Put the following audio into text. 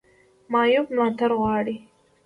معیوب ملاتړ غواړي